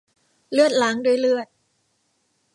เลือดล้างด้วยเลือด